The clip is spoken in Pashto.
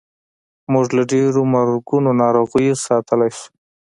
موږ له ډېرو مرګونو ناروغیو ساتلی شو.